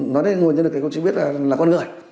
nói đến nguồn nhân lực thì không chỉ biết là con người